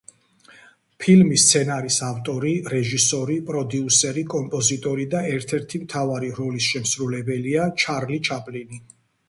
ფილმის სცენარის ავტორი, რეჟისორი, პროდიუსერი, კომპოზიტორი და ერთ-ერთი მთავარი როლის შემსრულებელია ჩარლი ჩაპლინი.